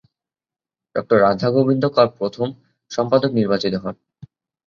ডঃ রাধাগোবিন্দ কর প্রথম সম্পাদক নির্বাচিত হন।